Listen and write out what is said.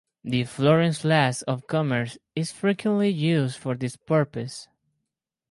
The Florence flask of commerce is frequently used for this purpose.